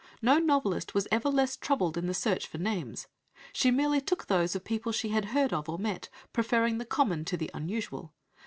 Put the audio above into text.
No novelist was ever less troubled in the search for names. She merely took those of people she had heard of or met, preferring the common to the unusual.